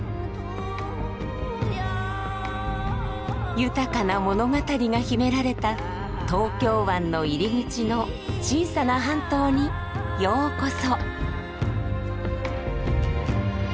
豊かな物語が秘められた東京湾の入り口の小さな半島にようこそ。